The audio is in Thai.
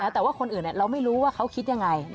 แต่ว่าคนอื่นเราไม่รู้ว่าเขาคิดยังไง